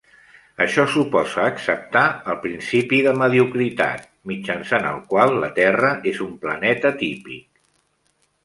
Això suposa acceptar el principi de mediocritat, mitjançant el qual la Terra és un planeta típic.